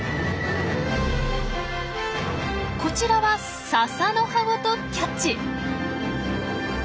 こちらはササの葉ごとキャッチ。